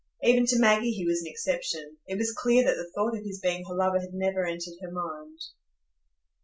Even to Maggie he was an exception; it was clear that the thought of his being her lover had never entered her mind.